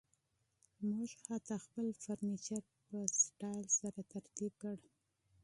موږ حتی خپل فرنیچر په سټایل سره ترتیب کړ